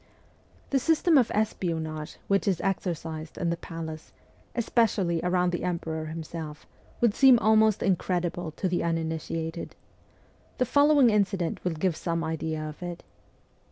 The system of espionage which is exercised in the palace, especially around the emperor himself, would seem almost incredible to the uninitiated. The follow ing incident will give some idea of it.